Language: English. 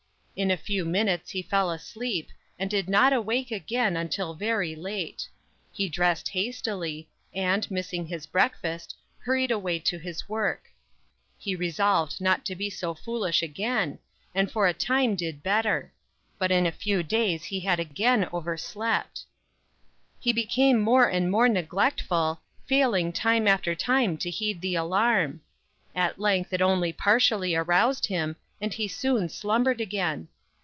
In a few minutes he fell asleep, and did not awake again until very late. He dressed hastily, and, missing his breakfast, hurried away to his work. He resolved not to be so foolish again, and for a time did better; but in a few days he had again overslept. He became more and more neglectful, failing time after time to heed the alarm. At length it only partially aroused him, and he soon slumbered again.